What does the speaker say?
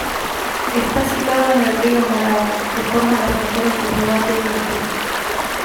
Está situado en el río Morava, que forma la frontera entre Eslovaquia y Austria.